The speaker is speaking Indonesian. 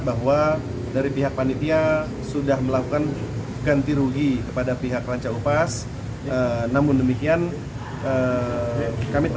bahwa dari pihak panitia sudah melakukan ganti rugi kepada pihak ranca upas namun demikian kami